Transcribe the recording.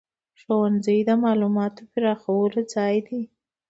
ښوونځی د معلوماتو پراخولو ځای دی.